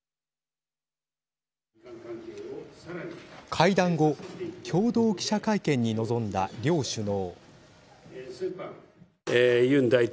会談後共同記者会見に臨んだ両首脳。